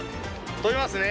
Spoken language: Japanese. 飛びますね。